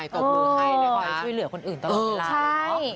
พี่อ้ำใช่ส่วนครับ